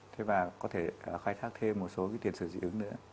thế và có thể khai thác thêm một số cái tiền sử dị ứng nữa